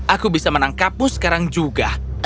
aku bisa menangkapmu sekarang juga